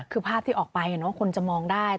คือภาพที่ออกไปคนจะมองได้